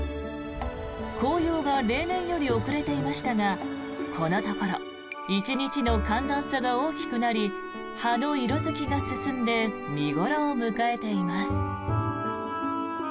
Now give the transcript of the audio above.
紅葉が例年より遅れていましたがこのところ１日の寒暖差が大きくなり葉の色付きが進んで見頃を迎えています。